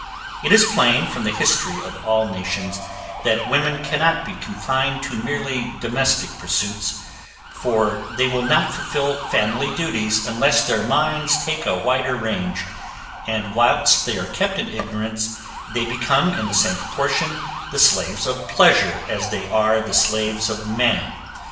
It is plain from the history of all nations, that women cannot be confined to merely domestic pursuits, for they will not fulfil family duties, unless their minds take a wider range, and whilst they are kept in ignorance, they become in the same proportion, the slaves of pleasure as they are the slaves of man.